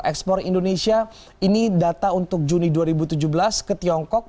ekspor indonesia ini data untuk juni dua ribu tujuh belas ke tiongkok